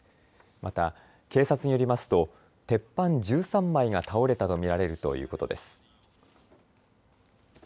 また警察によりますと鉄板１３枚が倒れたと見られるということです。